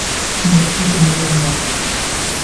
Нет, это невозможно.